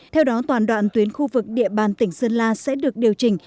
theo đó toàn đoạn tuyến khu vực địa bàn tỉnh sơn la sẽ được điều chỉnh